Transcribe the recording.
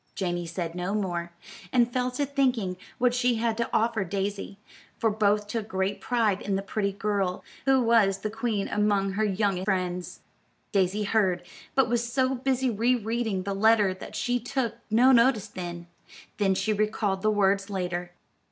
Janey said no more, and fell to thinking what she had to offer Daisy; for both took great pride in the pretty girl, who was the queen among her young friends. Daisy heard, but was so busy re reading the letter that she took no notice then, though she recalled the words later.